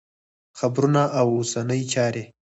خبرونه او اوسنۍ چارې